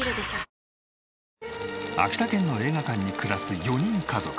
秋田県の映画館に暮らす４人家族。